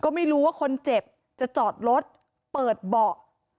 ก็ไม่รู้ว่าคนเจ็บจะจอดรถเปิดเบาะ